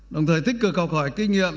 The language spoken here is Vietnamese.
đồng thời tích cực học hỏi kinh nghiệm